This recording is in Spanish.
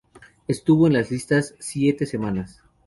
Estuvo en las listas siete semanas.